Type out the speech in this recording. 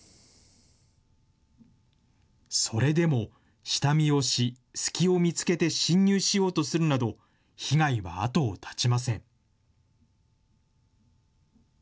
それでも下見をし、隙を見つけて侵入しようとするなど、被害は後を絶ちません。